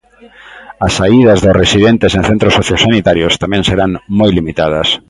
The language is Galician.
As saídas dos residentes en centros sociosanitarios tamén serán moi limitadas.